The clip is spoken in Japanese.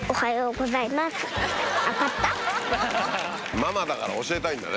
ママだから教えたいんだね。